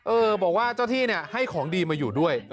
เออบอกว่าเจ้าที่ให้ของดีมาอยู่ด้วย